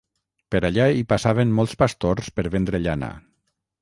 Per allà hi passaven molts pastors per vendre llana.